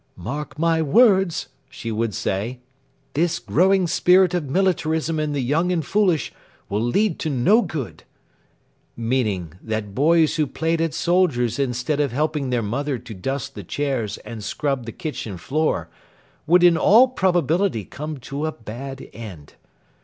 "Mark my words," she would say, "this growing spirit of militarism in the young and foolish will lead to no good," meaning that boys who played at soldiers instead of helping their mother to dust the chairs and scrub the kitchen floor would in all probability come to a bad end.